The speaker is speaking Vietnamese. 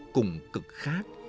cùng cực khác